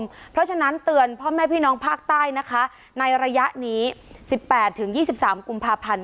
เพราะฉะนั้นเตือนพ่อแม่พี่น้องภาคใต้นะคะในระยะนี้๑๘๒๓กุมภาพันธ์